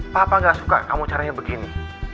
papa gak suka kamu caranya begini